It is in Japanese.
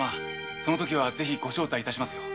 その時は是非ご招待致します。